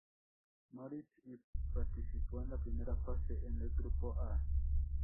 Moritz y participó en la primera fase en el grupo "A".